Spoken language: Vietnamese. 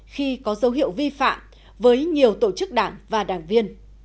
khi có dấu hiệu vi phạm với nhiều tổ chức đảng và đảng viên